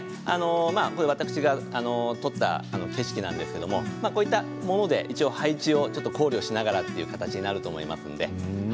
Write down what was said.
私が撮った景色なんですけれどこういったもので位置を配置を考慮しながらという形になりますので。